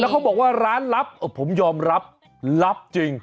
เขาบอกว่าร้านลับผมยอมรับลับจริง